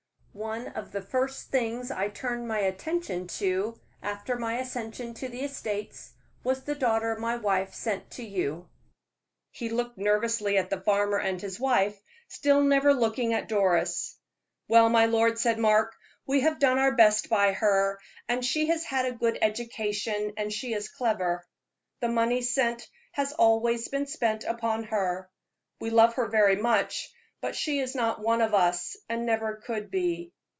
"One of the first things I turned my attention to, after my accession to the estates, was the daughter my wife sent to you." He looked nervously at the farmer and his wife, still never looking at Doris. "Well, my lord," said Mark, "we have done our best by her; she has had a good education, and she is clever. The money sent has always been spent upon her. We love her very much, but she is not one of us, and never could be.